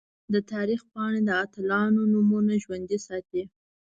د تاریخ پاڼې د اتلانو نومونه ژوندۍ ساتي.